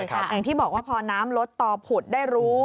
อย่างที่บอกว่าพอน้ำลดต่อผุดได้รู้